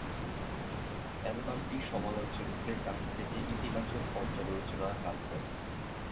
অ্যালবামটি সমালোচকদের কাছ থেকে ইতিবাচক পর্যালোচনা লাভ করে।